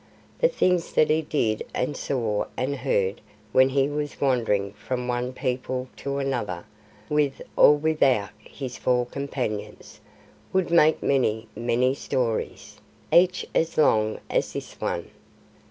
The things that he did and saw and heard when he was wandering from one people to another, with or without his four companions, would make many many stories, each as long as this one.